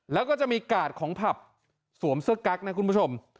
แล้วก็จะมีกาดของผับสวมเสื้อกั๊กนะคุณผู้ชม